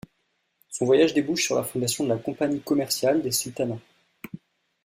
Son voyage débouche sur la fondation de la Compagnie commerciale des Sultanats.